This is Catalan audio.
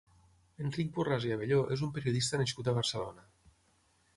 Enric Borràs i Abelló és un periodista nascut a Barcelona.